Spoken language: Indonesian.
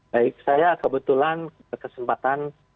baik saya kebetulan kesempatan